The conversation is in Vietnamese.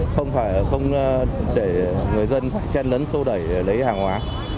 không để người dân phải chen lấn sâu đẩy lấy hàng hóa